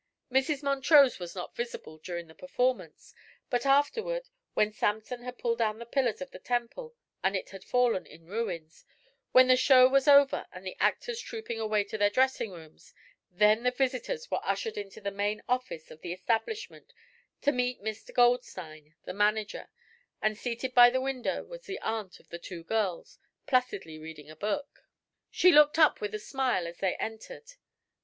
Mrs. Montrose was not visible during the performance; but afterward, when Samson had pulled down the pillars of the temple and it had fallen in ruins, when the "show" was over and the actors trooping away to their dressing rooms, then the visitors were ushered into the main office of the establishment to meet Mr. Goldstein, the manager, and seated by the window was the aunt of the two girls, placidly reading a book. She looked up with a smile as they entered.